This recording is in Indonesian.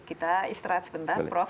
kita istirahat sebentar prof